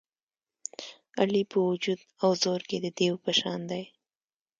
علي په وجود او زور کې د دېو په شان دی.